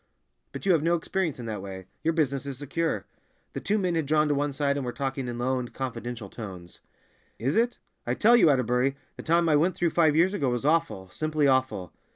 But you have no experience in that way; your business is secure." The two men had drawn to one side and were talking in low and confidential tones. "Is it? I tell you, Atterbury, the time I went through five years ago was awful, simply awful.